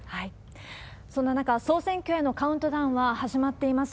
そんな中、総選挙へのカウントダウンは始まっています。